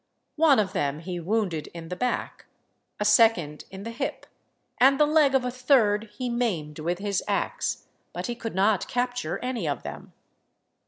One of them he wounded in the back, a second in the hip, and the leg of a third he maimed with his axe; but he could not capture any of them.